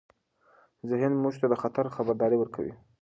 ذهن موږ ته د خطر خبرداری ورکوي.